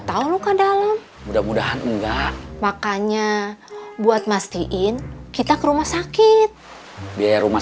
tahu luka dalam mudah mudahan enggak makanya buat mastiin kita ke rumah sakit biaya rumah